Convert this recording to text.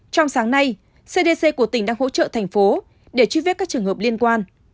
trong sáng nay cdc của tỉnh đang hỗ trợ thành phố để truy vết các trường hợp liên quan